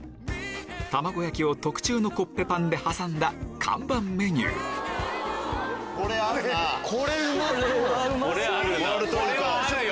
玉子焼きを特注のコッペパンで挟んだ看板メニューこれうまそう！